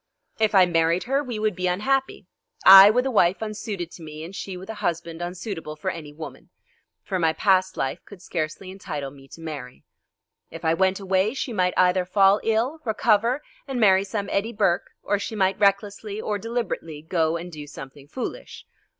If I married her we would be unhappy. I with a wife unsuited to me, and she with a husband unsuitable for any woman. For my past life could scarcely entitle me to marry. If I went away she might either fall ill, recover, and marry some Eddie Burke, or she might recklessly or deliberately go and do something foolish.